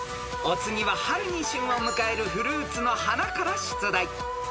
［お次は春に旬を迎えるフルーツの花から出題］